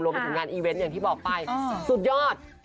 รวมเป็นของงานอีเวนต์อย่างที่บอกไปสุดยอด